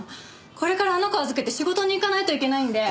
これからあの子を預けて仕事に行かないといけないんで。